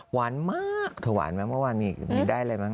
หวานมากเธอหวานไหมเมื่อวาน